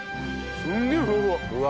すげえふわふわ。